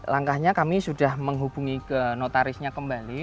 langkahnya kami sudah menghubungi ke notarisnya kembali